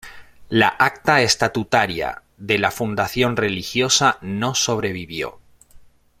La acta estatutaria de la fundación religiosa no sobrevivió.